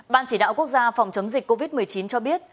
ban chỉ đạo quốc gia phòng chống dịch covid một mươi chín cho biết